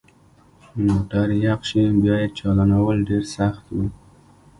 که موټر یخ شي بیا یې چالانول ډیر سخت وي